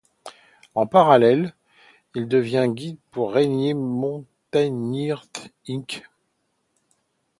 En parallèle, il devient guide pour Rainier Mountaineering, Inc.